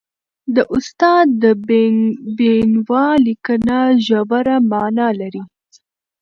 د استاد د بينوا لیکنه ژوره معنا لري.